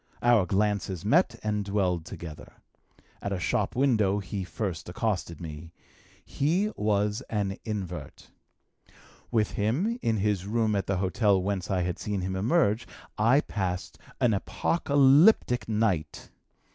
Our glances met and dwelled together. At a shop window he first accosted me. He was an invert. With him, in his room at the hotel whence I had seen him emerge, I passed an apocalyptic night.